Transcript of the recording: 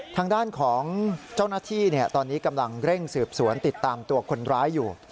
ทางด้านของเจ้าหน้าที่ตอนนี้กำลังเร่งสืบสวนติดตามตัวคนร้ายอยู่